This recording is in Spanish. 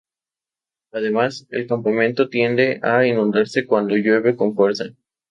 Además, el campamento tiende a inundarse cuando llueve con fuerza.